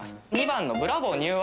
２番のブラボー！